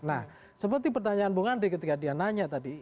nah seperti pertanyaan bung andri ketika dia nanya tadi